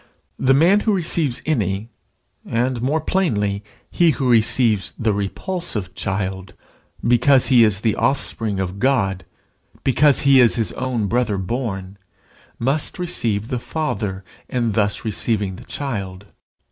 The man who receives any, and more plainly he who receives the repulsive child, because he is the offspring of God, because he is his own brother born, must receive the Father in thus receiving the child.